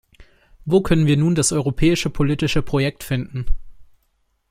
Wo können wir nun das europäische politische Projekt finden?